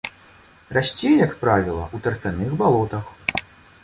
Расце, як правіла, у тарфяных балотах.